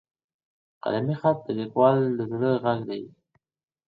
قلمي خط د لیکوال د زړه غږ دی.